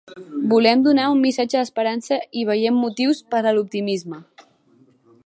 Volem donar un missatge d’esperança i veiem motius per a l’optimisme.